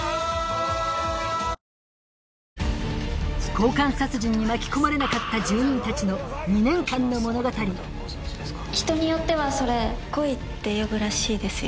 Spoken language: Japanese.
交換殺人に巻き込まれなかった住人たちの２年間の物語人によってはそれ恋って呼ぶらしいですよ。